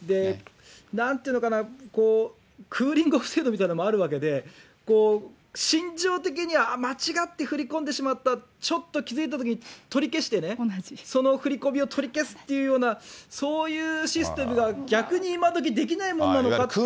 なんていうのかな、クーリングオフ制度みたいなのもあるわけで、心情的には間違って振り込んでしまった、ちょっと気付いたときに取り消してね、その振り込みを取り消すというそういうシステムが逆に今どきできないものなのかって。